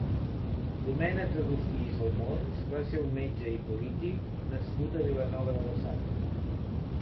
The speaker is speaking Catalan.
Domènec Agustí i Salmons va ser un metge i polític nascut a Vilanova de la Sal.